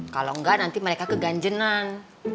kalau enggak nanti mereka keganjenan